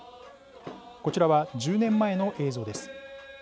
こちらは１０年前の映像です。